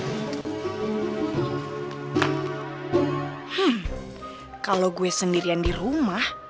hmm kalau gue sendirian di rumah